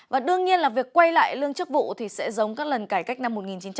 và đương nhiên là việc quay lại lương chức vụ sẽ giống các lần cải cách năm hai nghìn